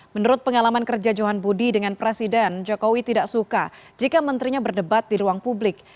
menurut pengalaman kerja johan budi dengan presiden jokowi tidak suka jika menterinya berdebat di ruang publik